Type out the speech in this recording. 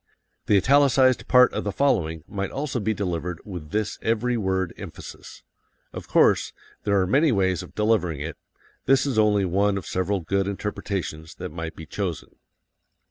The italicized part of the following might also be delivered with this every word emphasis. Of course, there are many ways of delivering it; this is only one of several good interpretations that might be chosen.